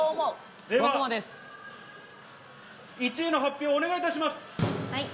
では１位の発表をお願いいたします。